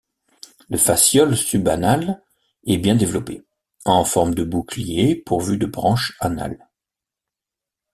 Le fasciole subanal est bien développé, en forme de bouclier pourvu de branches anales.